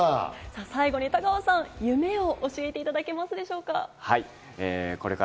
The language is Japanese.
最後に田川さんの夢を教えていただけますか？